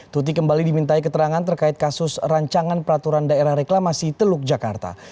tuti kembali dimintai keterangan terkait kasus rancangan peraturan daerah reklamasi teluk jakarta